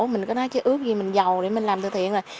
mình có nói chứ ướ gì mình giàu để mình làm từ thiện rồi